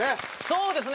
そうですね。